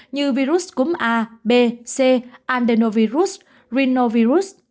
như virus cúng a b c andenovir